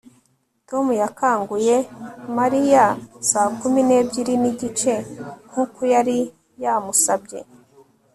Tom yakanguye Mariya saa kumi nebyiri nigice nkuko yari yamusabye